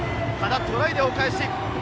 トライでお返し。